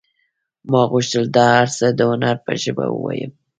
ما غوښتل دا هر څه د هنر په ژبه ووایم